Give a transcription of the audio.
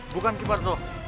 bukan ki parto